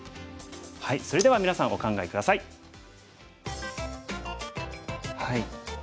それではみなさんお考え下さい。